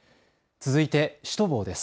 続いてシュトボーです。